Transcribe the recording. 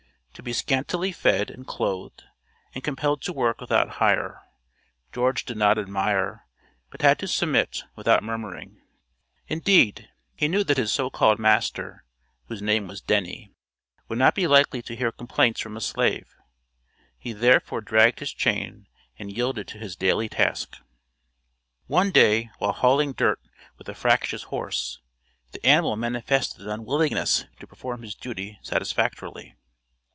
To be scantily fed and clothed, and compelled to work without hire, George did not admire, but had to submit without murmuring; indeed, he knew that his so called master, whose name was Denny, would not be likely to hear complaints from a slave; he therefore dragged his chain and yielded to his daily task. One day, while hauling dirt with a fractious horse, the animal manifested an unwillingness to perform his duty satisfactorily.